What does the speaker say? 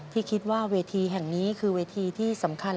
ที่คิดว่าเวทีแห่งนี้คือเวทีที่สำคัญ